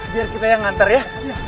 biar kita yang ngantar ya